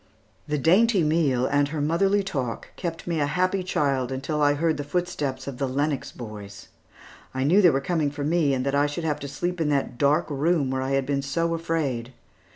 The dainty meal and her motherly talk kept me a happy child until I heard the footsteps of the Lennox boys. I knew they were coming for me, and that I should have to sleep in that dark room where I had been so afraid.